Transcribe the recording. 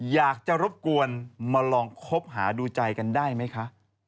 อยากจะรบกวนมาลองคบหาดูใจกันได้ไหมคะ